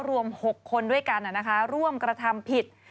รวม๖คนด้วยกันร่วมกระทำผิด